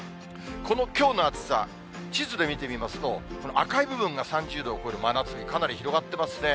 このきょうの暑さ、地図で見てみますと、この赤い部分が３０度を超える真夏日、かなり広がってますね。